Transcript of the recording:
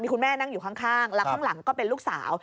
คุณแม่นั่งอยู่ข้างแล้วข้างหลังก็เป็นลูกสาว